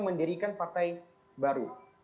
mendirikan partai baru